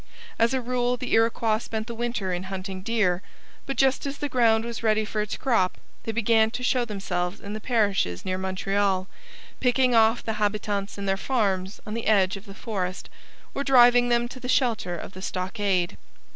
As a rule the Iroquois spent the winter in hunting deer, but just as the ground was ready for its crop they began to show themselves in the parishes near Montreal, picking off the habitants in their farms on the edge of the forest, or driving them to the shelter of the stockade.